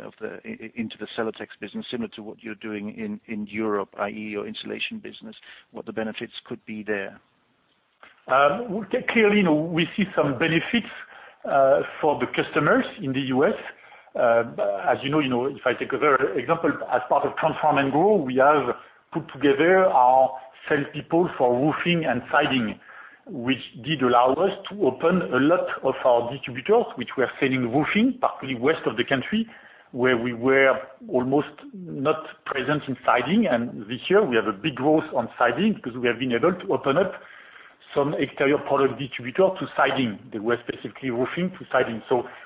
into the Celotex business, similar to what you're doing in Europe, i.e., your insulation business, what the benefits could be there? Clearly, we see some benefits for the customers in the U.S. As you know, if I take a further example, as part of Transform & Grow, we have put together our salespeople for roofing and siding, which did allow us to open a lot of our distributors, which were selling roofing, particularly west of the country, where we were almost not present in siding. This year, we have a big growth on siding because we have been able to open up some exterior product distributors to siding, where specifically roofing to siding.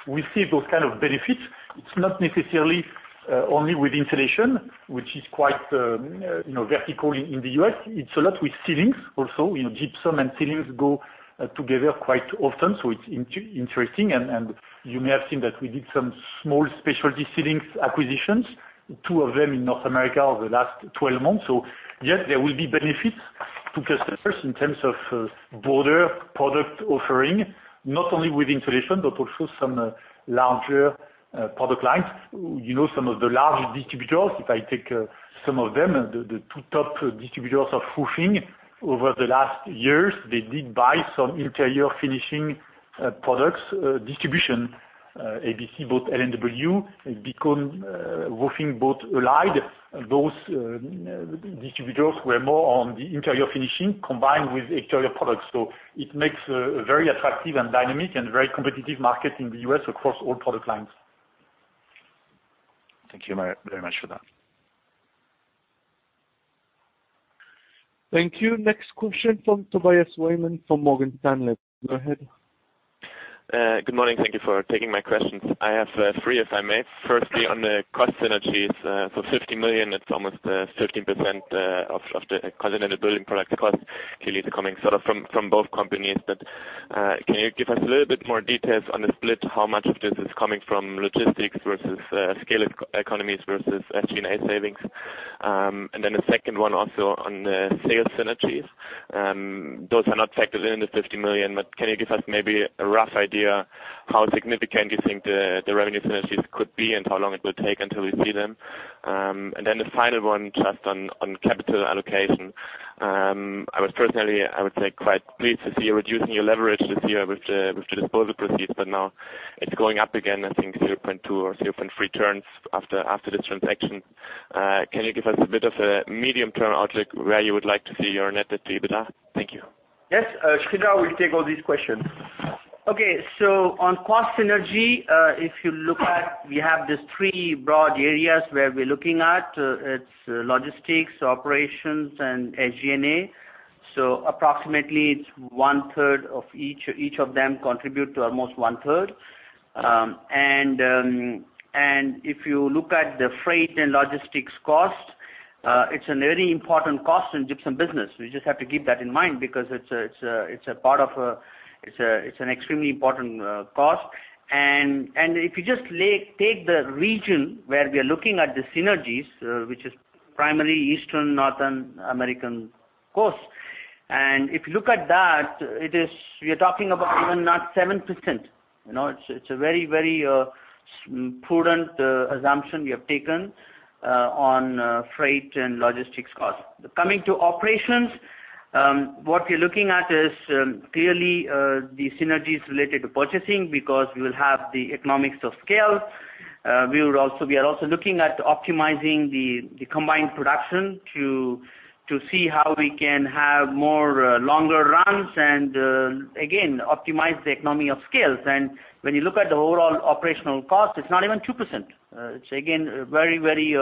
We see those kinds of benefits. It's not necessarily only with insulation, which is quite vertical in the U.S. It's a lot with ceilings also. Gypsum and ceilings go together quite often, so it's interesting. You may have seen that we did some small specialty ceilings acquisitions, two of them in North America over the last 12 months. Yes, there will be benefits to customers in terms of broader product offering, not only with insulation, but also some larger product lines. Some of the large distributors, if I take some of them, the two top distributors of roofing, over the last years, they did buy some interior finishing products distribution, ABC, both L and W, Bicon, Roofing, both Allied. Those distributors were more on the interior finishing combined with exterior products. It makes a very attractive and dynamic and very competitive market in the U.S. across all product lines. Thank you very much for that. Thank you. Next question from Tobias Weimann from Morgan Stanley. Go ahead. Good morning. Thank you for taking my questions. I have three, if I may. Firstly, on the cost synergies, so $50 million, it's almost 15% of the Continental Building Products cost. Clearly, it's coming sort of from both companies. Can you give us a little bit more details on the split? How much of this is coming from logistics versus scale economies versus SG&A savings? A second one also on the sales synergies. Those are not factored in the $50 million, but can you give us maybe a rough idea how significant you think the revenue synergies could be and how long it will take until we see them? The final one, just on capital allocation. I was personally, I would say, quite pleased to see you're reducing your leverage this year with the disposal proceeds, but now it's going up again, I think, 0.2 or 0.3 turns after this transaction. Can you give us a bit of a medium-term outlook where you would like to see your net debt dividend? Thank you. Yes. Sreedhar, will you take all these questions? Okay. On cost synergy, if you look at, we have these three broad areas where we're looking at. It's logistics, operations, and SG&A. Approximately, it's 1/3 of each. Each of them contributes to almost 1/3. If you look at the freight and logistics cost, it's a very important cost in the gypsum business. We just have to keep that in mind because it's an extremely important cost. If you just take the region where we are looking at the synergies, which is primarily eastern North American coast, and if you look at that, we are talking about even not 7%. It's a very, very prudent assumption we have taken on freight and logistics costs. Coming to operations, what we're looking at is clearly the synergies related to purchasing because we will have the economics of scale. We are also looking at optimizing the combined production to see how we can have longer runs and, again, optimize the economy of scale. When you look at the overall operational cost, it's not even 2%. It's, again, a very, very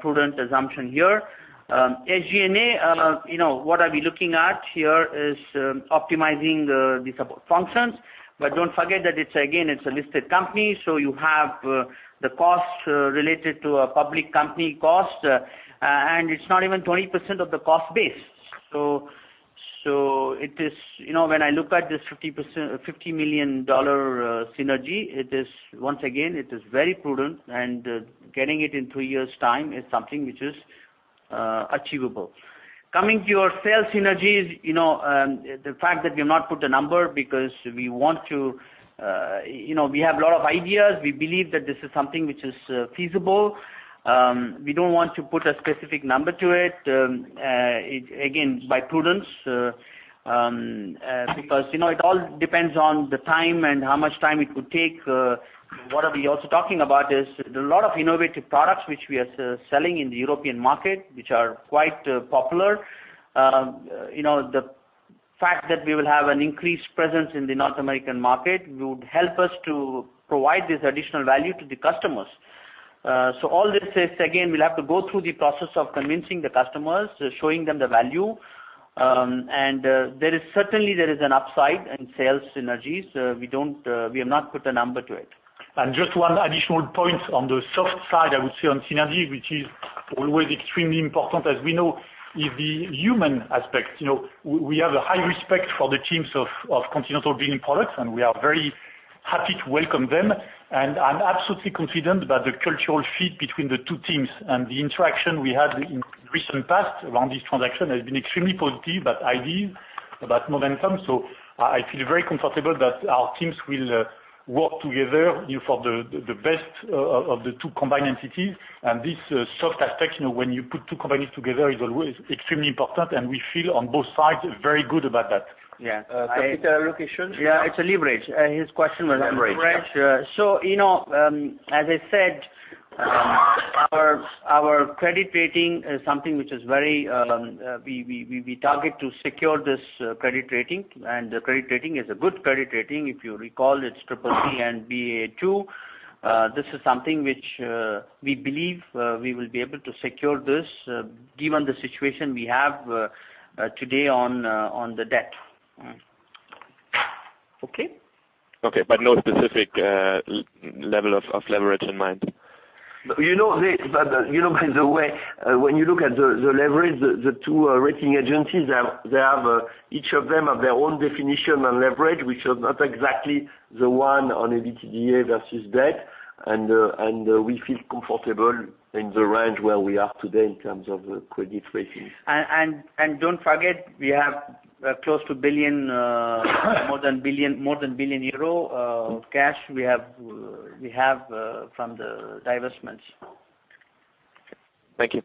prudent assumption here. SG&A, what we are looking at here is optimizing these functions. Don't forget that, again, it's a listed company, so you have the cost related to a public company cost, and it's not even 20% of the cost base. When I look at this $50 million synergy, once again, it is very prudent, and getting it in three years' time is something which is achievable. Coming to your sales synergies, the fact that we have not put a number because we want to, we have a lot of ideas. We believe that this is something which is feasible. We don't want to put a specific number to it, again, by prudence, because it all depends on the time and how much time it would take. What we are also talking about is there are a lot of innovative products which we are selling in the European market, which are quite popular. The fact that we will have an increased presence in the North American market would help us to provide this additional value to the customers. All this is, again, we'll have to go through the process of convincing the customers, showing them the value. Certainly, there is an upside in sales synergies. We have not put a number to it. Just one additional point on the soft side, I would say, on synergy, which is always extremely important, as we know, is the human aspect. We have a high respect for the teams of Continental Building Products, and we are very happy to welcome them. I'm absolutely confident that the cultural feed between the two teams and the interaction we had in the recent past around this transaction has been extremely positive about ideas, about momentum. I feel very comfortable that our teams will work together for the best of the two combined entities. This soft aspect, when you put two companies together, is always extremely important, and we feel on both sides very good about that. Yeah. Capital allocation? Yeah. It's a leverage. His question was leverage. Leverage. As I said, our credit rating is something which is very, we target to secure this credit rating, and the credit rating is a good credit rating. If you recall, it's CCC and Baa2. This is something which we believe we will be able to secure this given the situation we have today on the debt. Okay? Okay. No specific level of leverage in mind? You know by the way, when you look at the leverage, the two rating agencies, each of them has their own definition on leverage, which is not exactly the one on EBITDA versus debt. And we feel comfortable in the range where we are today in terms of credit rating. Do not forget, we have close to more than 1 billion cash we have from the divestments. Thank you.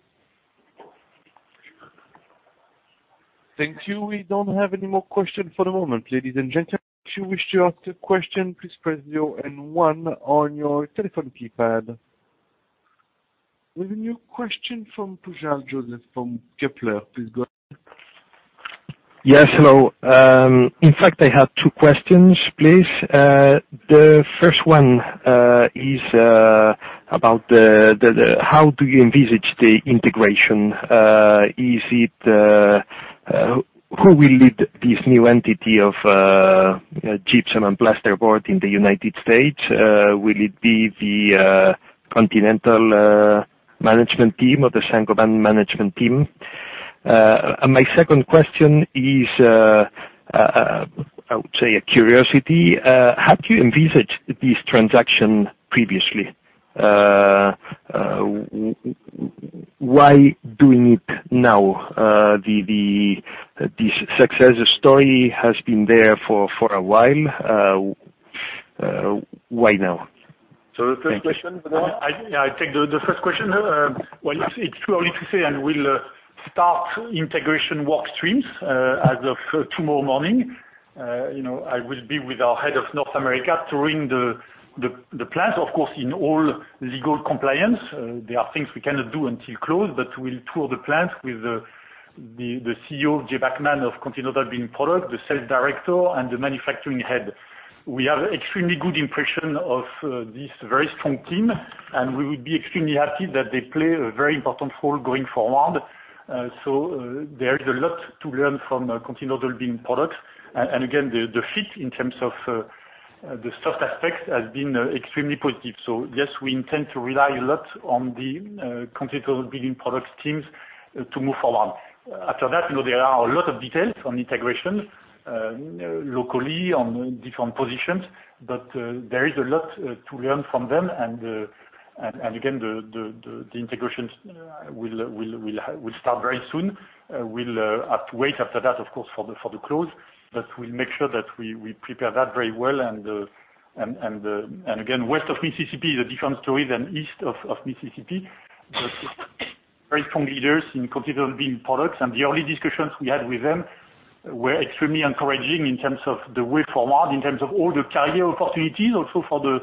Thank you. We don't have any more questions for the moment. Ladies and gentlemen, if you wish to ask a question, please press zero and one on your telephone keypad. We have a new question from Pujal Joseph from Kepler. Please go ahead. Yes. Hello. In fact, I have two questions, please. The first one is about how do you envisage the integration? Who will lead this new entity of gypsum and plasterboard in the United States? Will it be the Continental Management Team or the Saint-Gobain Management Team? My second question is, I would say, a curiosity. Have you envisaged this transaction previously? Why doing it now? This success story has been there for a while. Why now? The first question. Yeah. I take the first question. It's too early to say, and we'll start integration workstreams as of tomorrow morning. I will be with our head of North America touring the plants, of course, in all legal compliance. There are things we cannot do until closed, but we'll tour the plants with the CEO, Jay Bachman of Continental Building Products, the sales director, and the manufacturing head. We have an extremely good impression of this very strong team, and we would be extremely happy that they play a very important role going forward. There is a lot to learn from Continental Building Products. Again, the fit in terms of the soft aspect has been extremely positive. Yes, we intend to rely a lot on the Continental Building Products teams to move forward. After that, there are a lot of details on integration locally on different positions, but there is a lot to learn from them. Again, the integration will start very soon. We will have to wait after that, of course, for the close, but we will make sure that we prepare that very well. Again, west of Mississippi is a different story than east of Mississippi. Very strong leaders in Continental Building Products, and the early discussions we had with them were extremely encouraging in terms of the way forward, in terms of all the career opportunities also for the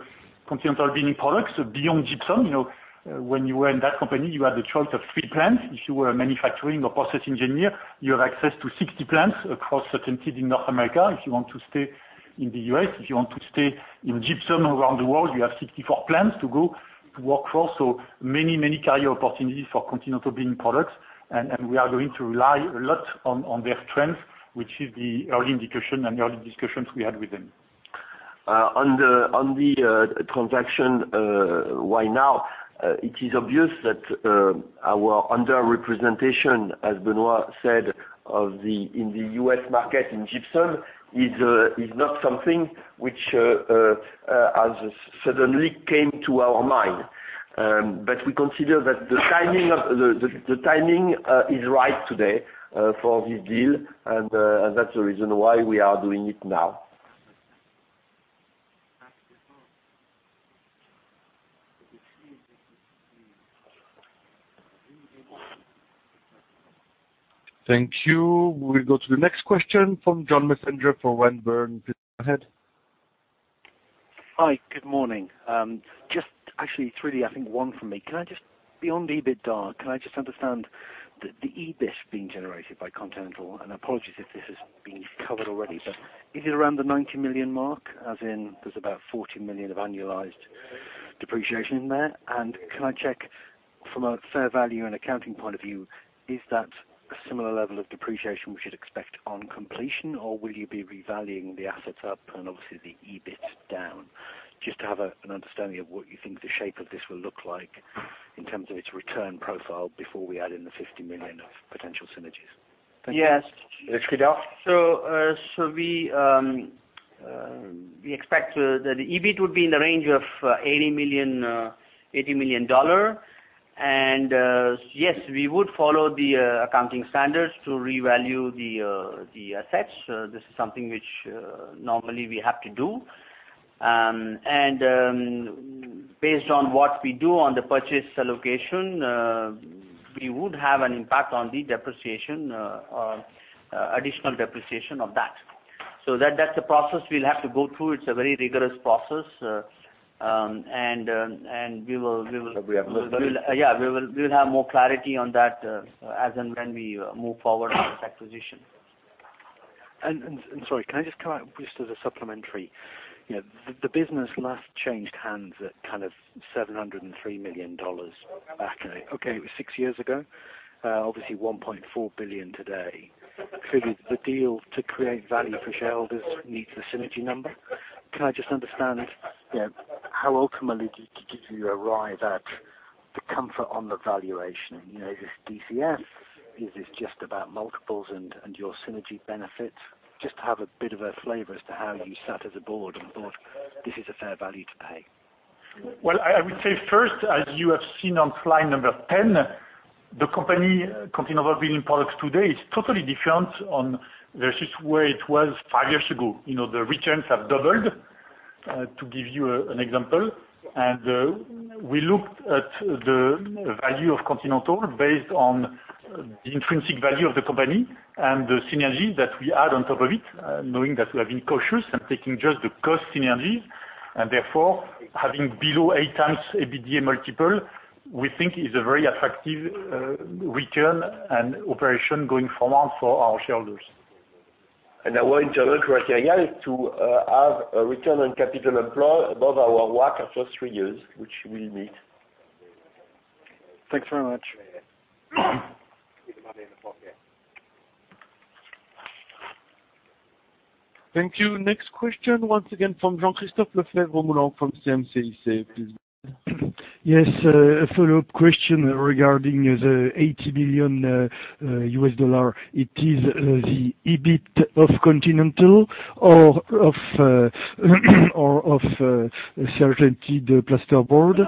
Continental Building Products beyond gypsum. When you were in that company, you had the choice of three plants. If you were a manufacturing or process engineer, you have access to 60 plants across certain cities in North America. If you want to stay in the U.S., if you want to stay in gypsum around the world, you have 64 plants to go to work for. So many, many career opportunities for Continental Building Products, and we are going to rely a lot on their strengths, which is the early indication and early discussions we had with them. On the transaction, why now? It is obvious that our underrepresentation, as Benoit said, in the U.S. market in gypsum is not something which has suddenly come to our mind. We consider that the timing is right today for this deal, and that's the reason why we are doing it now. Thank you. We'll go to the next question from John Messenger from Liebherr. Please go ahead. Hi. Good morning. Just actually, three I think one from me. Can I just be on the EBITDA? Can I just understand the EBIT being generated by Continental? Apologies if this is being covered already, but is it around the $90 million mark, as in there's about $40 million of annualized depreciation in there? Can I check from a fair value and accounting point of view, is that a similar level of depreciation we should expect on completion, or will you be revaluing the assets up and obviously the EBITDA down? Just to have an understanding of what you think the shape of this will look like in terms of its return profile before we add in the $50 million of potential synergies. Thank you. Yes. Thanks, Shreedhar. We expect that the EBITDA would be in the range of $80 million. Yes, we would follow the accounting standards to revalue the assets. This is something which normally we have to do. Based on what we do on the purchase allocation, we would have an impact on the depreciation, additional depreciation of that. That is a process we will have to go through. It is a very rigorous process, and we will. We have a look at it. Yeah. We will have more clarity on that as and when we move forward on this acquisition. Sorry, can I just come up just as a supplementary? The business last changed hands at kind of $703 million back. Okay. It was six years ago. Obviously, $1.4 billion today. Clearly, the deal to create value for shareholders needs the synergy number. Can I just understand how ultimately did you arrive at the comfort on the valuation? Is this DCS? Is this just about multiples and your synergy benefits? Just to have a bit of a flavor as to how you sat as a board and thought, "This is a fair value to pay. I would say first, as you have seen on slide number 10, the company Continental Building Products today is totally different versus where it was five years ago. The returns have doubled, to give you an example. We looked at the value of Continental based on the intrinsic value of the company and the synergy that we add on top of it, knowing that we have been cautious and taking just the cost synergies, and therefore having below eight times EBITDA multiple, we think is a very attractive return and operation going forward for our shareholders. Our internal criteria is to have a return on capital employed above our WACC of just three years, which we'll meet. Thanks very much. Thank you. Next question, once again, from Jean-Christophe Lefèvre-Moulenq from CICMS. Please go ahead. Yes. A follow-up question regarding the $80 million. It is the EBITDA of Continental or of CertainTeed Plasterboard?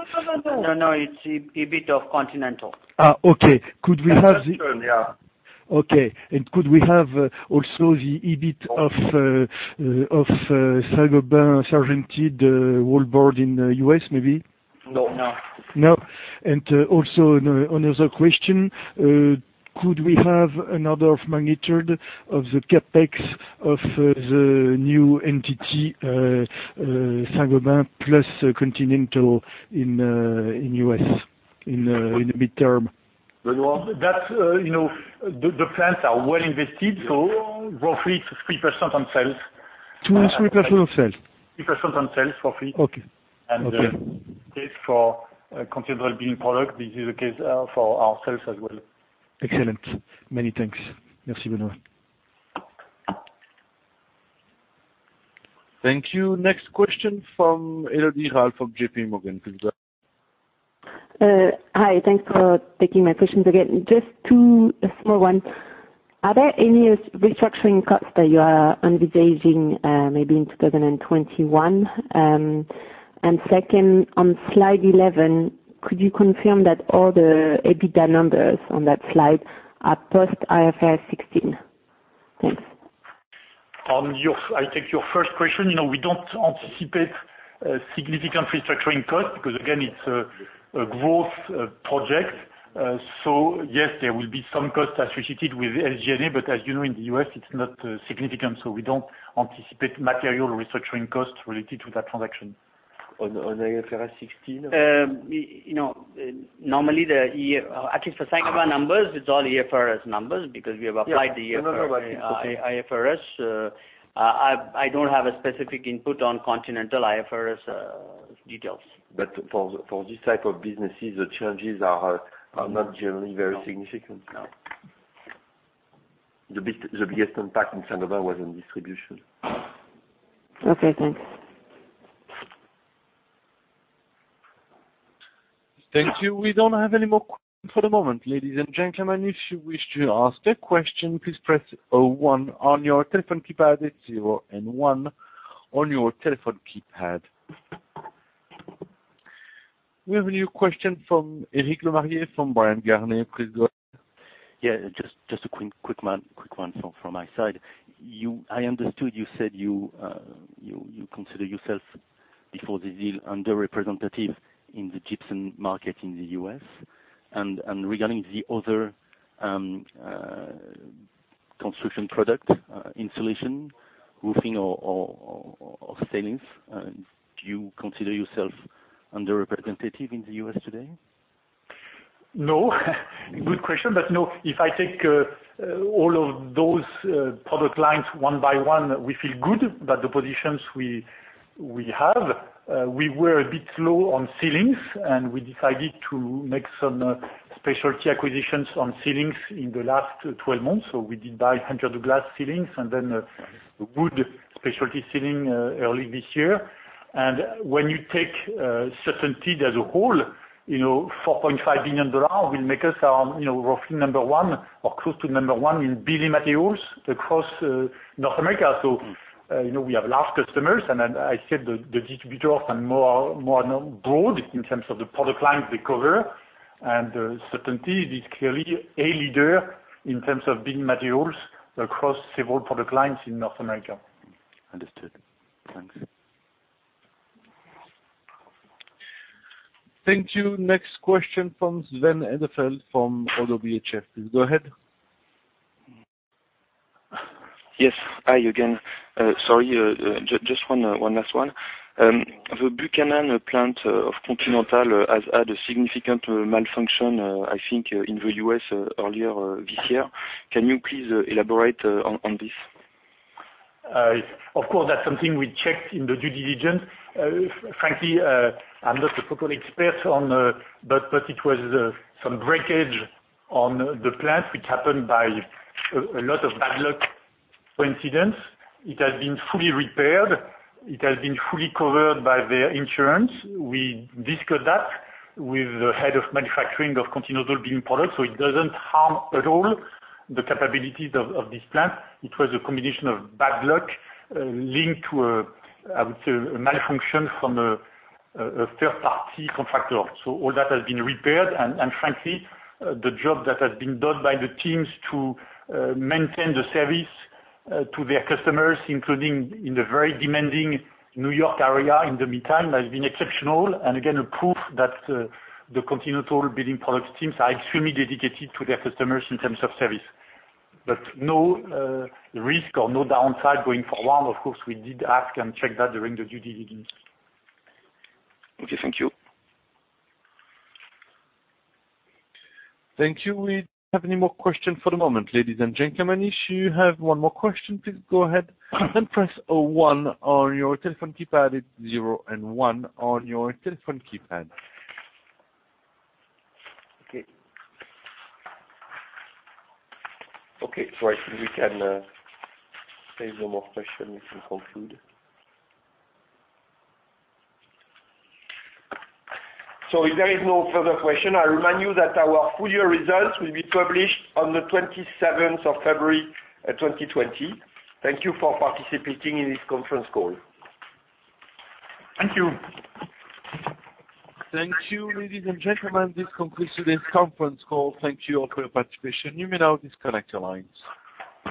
No, no. It's EBITDA of Continental. Okay. Could we have the. Yeah. Okay. Could we have also the EBIT of Saint-Gobain CertainTeed Wallboard in the U.S., maybe? No. No. No? Also, another question. Could we have an order of magnitude of the CapEx of the new entity, Saint-Gobain plus Continental in the U.S. in the midterm? Benoit, the plants are well invested, so roughly 3% on sales. 2% on sales. 3% on sales, roughly. Okay. Okay. The same case for Continental Building Products. This is the case for ourselves as well. Excellent. Many thanks. Merci, Benoît. Thank you. Next question from Elodie Rall of JPMorgan. Please go ahead. Hi. Thanks for taking my questions again. Just two small ones. Are there any restructuring costs that you are envisaging maybe in 2021? Second, on slide 11, could you confirm that all the EBITDA numbers on that slide are post-IFRS 16? Thanks. I take your first question. We do not anticipate significant restructuring costs because, again, it is a growth project. Yes, there will be some costs associated with SG&A, but as you know, in the U.S., it is not significant. We do not anticipate material restructuring costs related to that transaction. On IFRS 16? Normally, at least for Saint-Gobain numbers, it's all IFRS numbers because we have applied the IFRS. I don't have a specific input on Continental IFRS details. For this type of businesses, the challenges are not generally very significant. The biggest impact in Saint-Gobain was in distribution. Okay. Thanks. Thank you. We do not have any more questions for the moment. Ladies and gentlemen, if you wish to ask a question, please press zero one on your telephone keypad. It is zero and one on your telephone keypad. We have a new question from Eric Lemarié from Bryan Garnier. Please go ahead. Yeah. Just a quick one from my side. I understood you said you consider yourself, before this deal, underrepresentative in the gypsum market in the U.S. And regarding the other construction product insulation, roofing, or ceilings, do you consider yourself underrepresentative in the U.S. today? No. Good question. No, if I take all of those product lines one by one, we feel good. The positions we have, we were a bit low on ceilings, and we decided to make some specialty acquisitions on ceilings in the last 12 months. We did buy 100 glass ceilings and then wood specialty ceiling early this year. When you take CertainTeed as a whole, $4.5 billion will make us roughly number one or close to number one in building materials across North America. We have large customers, and I said the distributors are more broad in terms of the product lines they cover. CertainTeed is clearly a leader in terms of building materials across several product lines in North America. Understood. Thanks. Thank you. Next question from Sven Edelfelt from Oddo BHF. Please go ahead. Yes. Hi again. Sorry. Just one last one. The Buchanan plant of Continental has had a significant malfunction, I think, in the U.S. earlier this year. Can you please elaborate on this? Of course, that's something we checked in the due diligence. Frankly, I'm not a proper expert, but it was some breakage on the plant, which happened by a lot of bad luck coincidence. It has been fully repaired. It has been fully covered by their insurance. We discussed that with the head of manufacturing of Continental Building Products. It doesn't harm at all the capabilities of this plant. It was a combination of bad luck linked to, I would say, a malfunction from a third-party contractor. All that has been repaired. Frankly, the job that has been done by the teams to maintain the service to their customers, including in the very demanding New York area in the meantime, has been exceptional and again, a proof that the Continental Building Products teams are extremely dedicated to their customers in terms of service. No risk or no downside going forward. Of course, we did ask and check that during the due diligence. Okay. Thank you. Thank you. We don't have any more questions for the moment. Ladies and gentlemen, if you have one more question, please go ahead and press zero one on your telephone keypad. It's zero and one on your telephone keypad. Okay. Okay. I think we can take no more questions. We can conclude. If there is no further question, I remind you that our full year results will be published on the 27th of February 2020. Thank you for participating in this conference call. Thank you. Thank you. Ladies and gentlemen, this concludes today's conference call. Thank you all for your participation. You may now disconnect your lines.